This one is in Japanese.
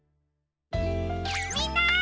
みんな！